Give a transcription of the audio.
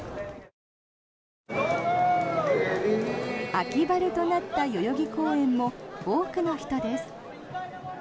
秋晴れとなった代々木公園も多くの人です。